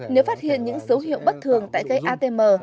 nếu phát hiện những dấu hiệu bất thường tại cây atm